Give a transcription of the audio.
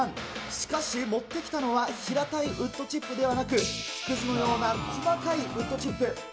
しかし、持ってきたのは、平たいウッドチップではなく、木くずのような細かいウッドチップ。